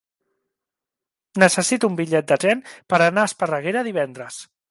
Necessito un bitllet de tren per anar a Esparreguera divendres.